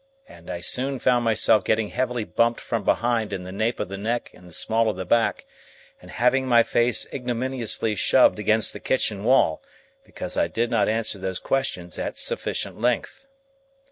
And I soon found myself getting heavily bumped from behind in the nape of the neck and the small of the back, and having my face ignominiously shoved against the kitchen wall, because I did not answer those questions at sufficient length.